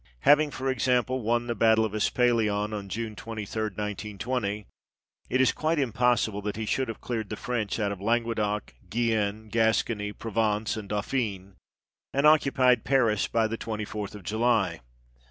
Having, for example, won the battle of Espalion xxvi THE EDITOR'S PREFACE. on June 23, 1920, it is quite impossible that he should have cleared the French out of Languedoc, Guienne, Gascony, Provence, and Dauphine, and occupied Paris by the 24th of July.